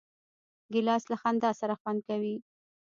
ګیلاس له خندا سره خوند کوي.